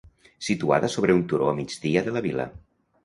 Situada sobre un turó a migdia de la vila.